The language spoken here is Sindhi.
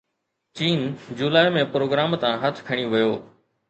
چين جولاءِ ۾ پروگرام تان هٿ کڻي ويو